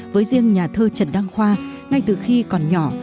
với riêng nhà thơ trần đăng khoa ngay từ khi còn nhỏ